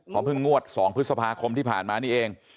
ขอพึ่งงวด๒พคที่ผ่านมานี่เอง